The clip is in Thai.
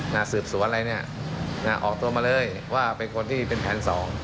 น่ะสืบสวนอะไรเนี่ยนะออกตัวมาเลยว่าเป็นคนที่เป็นแผนสอง